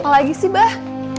apalagi sih bah